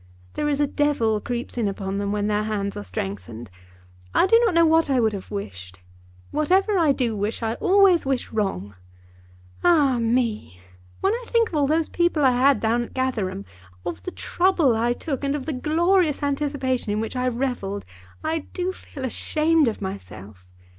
There is a devil creeps in upon them when their hands are strengthened. I do not know what I would have wished. Whenever I do wish, I always wish wrong. Ah, me; when I think of all those people I had down at Gatherum, of the trouble I took, and of the glorious anticipations in which I revelled, I do feel ashamed of myself.